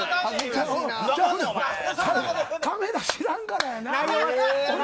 カメラ、知らんからやな。